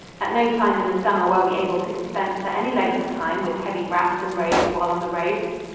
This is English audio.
At no time in the summer were we able to dispense for any length of time with heavy wraps and robes while on the road.